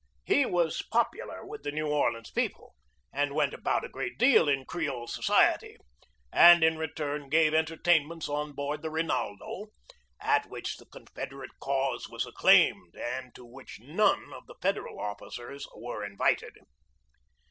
He was popular with the New Or leans people, and went about a great deal in creole society, and, in return, gave entertainments on board the Rinaldoy at which the Confederate cause was ac claimed, and to which none of the Federal officers were invited.